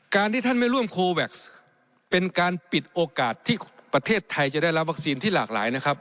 ที่ท่านไม่ร่วมโคแวคเป็นการปิดโอกาสที่ประเทศไทยจะได้รับวัคซีนที่หลากหลายนะครับ